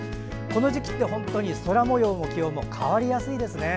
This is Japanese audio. この時期って本当に空もようも気温も変わりやすいですね。